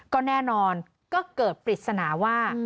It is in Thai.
ก็แน่นอนก็เกิดปริศนาว่า